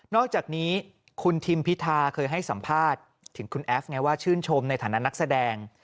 อกจากนี้คุณทิมพิธาเคยให้สัมภาษณ์ถึงคุณแอฟไงว่าชื่นชมในฐานะนักแสดง